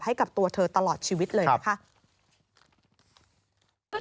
ให้กับตัวเธอตลอดชีวิตเลยนะคะ